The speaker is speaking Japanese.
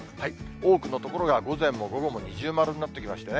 多くの所が午前も午後も二重丸になってきましたね。